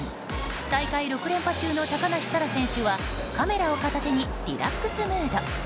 大会６連覇中の高梨沙羅選手はカメラを片手にリラックスムード。